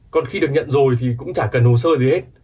còn khi được nhận rồi thì cũng chả cần hồ sơ gì hết